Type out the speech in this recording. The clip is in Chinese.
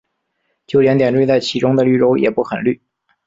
就连点缀在其中的绿洲也不很绿。